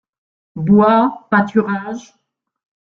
Bois, pâturages.